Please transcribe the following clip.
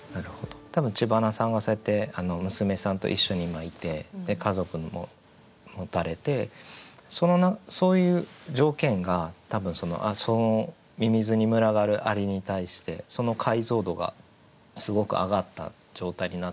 多分知花さんはそうやって娘さんと一緒にいて家族も持たれてそういう条件が多分そのみみずに群がる蟻に対してその解像度がすごく上がった状態になってるんじゃないかなと思って。